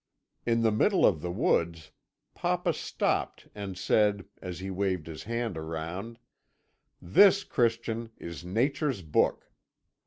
In the middle of the woods papa stopped and said, as he waved his hand around, "This, Christian, is Nature's book.